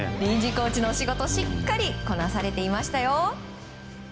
コーチのお仕事しっかりこなしていましたよ。